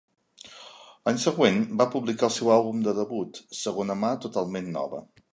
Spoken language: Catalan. L'any següent va publicar el seu àlbum de debut "Segona Mà Totalment Nova".